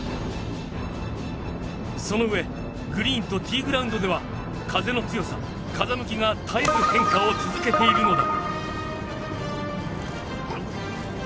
そのうえグリーンとティーグラウンドでは風の強さ、風向きが絶えず変化を続けているのだ。